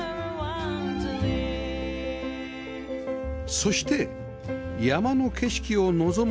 そして山の景色を望む